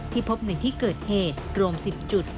พบในที่เกิดเหตุรวม๑๐จุด